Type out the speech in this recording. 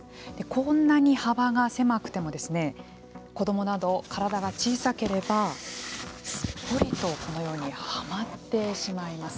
こんなに幅が狭くても子どもなど、体が小さければすっぽりとこのようにはまってしまいます。